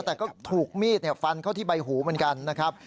แต่ก็ถูกมีดฟันเข้าที่ใบหูเหมือนกันนะครับ